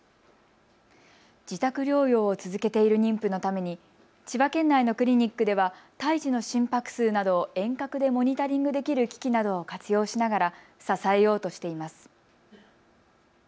自宅療養を続けている妊婦のために千葉県内のクリニックでは胎児の心拍数などを遠隔でモニタリングできる機器などを活用しながら支えようとしています。